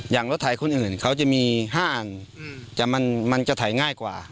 รถถ่ายคนอื่นเขาจะมี๕อันแต่มันจะถ่ายง่ายกว่า